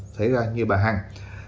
xảy ra như bà hằng